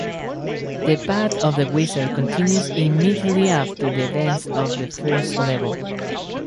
The Path of the Wizard continues immediately after the events of the first level.